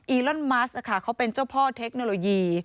อลอนมัสค่ะเขาเป็นเจ้าพ่อเทคโนโลยี